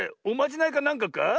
おまじないかなんかか？